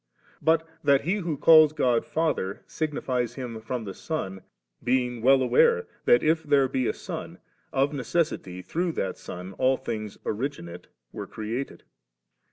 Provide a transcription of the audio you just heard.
But that he who calls God Father, signifies Him from the Son being well aware that if there be a Son, of necessity through that Son all things originate were created.